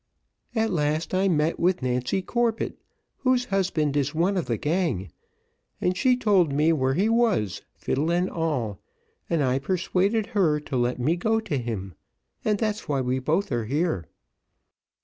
"At last I met with Nancy Corbett, whose husband is one of the gang, and she told me where he was, fiddle and all, and I persuaded her to let me go to him, and that's why we both are here."